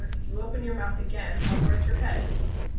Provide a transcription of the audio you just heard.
"If you open your mouth again, I'll break your head."